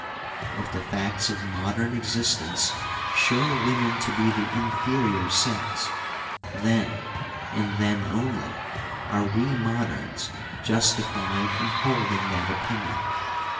If the 222 FEMINISM IN GREEK LITERATURE facts of modern existence show women to be the inferior sex, then, and then only, are we moderns justified in holding that opinion.